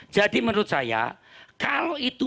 jadi menurut saya kalau itu